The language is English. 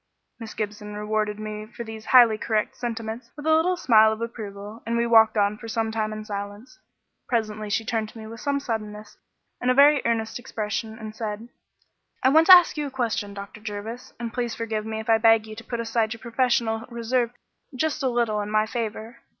Miss Gibson rewarded me for these highly correct sentiments with a little smile of approval, and we walked on for some time in silence. Presently she turned to me with some suddenness and a very earnest expression, and said "I want to ask you a question, Dr. Jervis, and please forgive me if I beg you to put aside your professional reserve just a little in my favour.